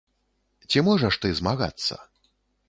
Ці можаш ты змагацца?